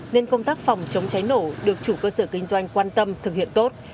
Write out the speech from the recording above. nên công tác phòng chống cháy nổ được chủ cơ sở kinh doanh quan tâm thực hiện tốt